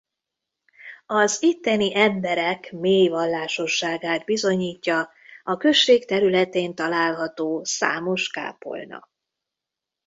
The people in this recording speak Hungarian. Az itteni emberek mély vallásosságát bizonyítja a község területén található számos kápolna.